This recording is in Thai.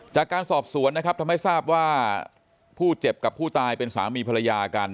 จากการสอบสวนนะครับทำให้ทราบว่าผู้เจ็บกับผู้ตายเป็นสามีภรรยากัน